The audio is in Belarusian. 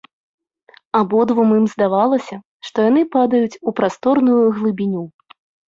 Абодвум ім здавалася, што яны падаюць у прасторную глыбіню.